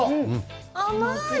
甘い。